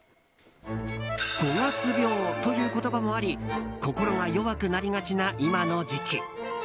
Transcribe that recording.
五月病という言葉もあり心が弱くなりがちなこの時期。